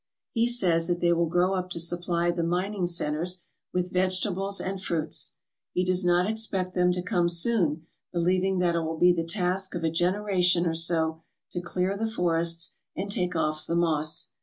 He says that they will grow up to supply the mining centres with vegetables and fruits. He does not expect them to come soon, be lieving that it will be the task of a generation or so to clear the forests and take off thfe moss.